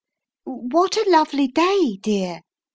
" What a lovely day, dear